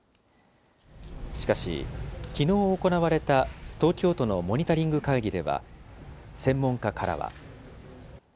しかし、きのう行われた東京都のモニタリング会議では、専門家からは。